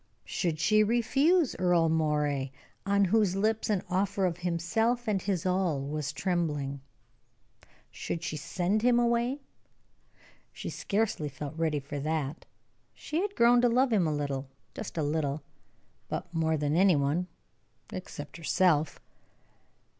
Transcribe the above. Should she refuse Earle Moray, on whose lips an offer of himself and his all was trembling? Should she send him away? She scarcely felt ready for that. She had grown to love him a little just a little but more than any one except herself.